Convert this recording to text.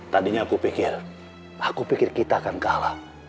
tadinya aku pikir aku pikir kita akan kalah